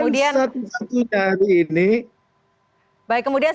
dan satu satunya hari ini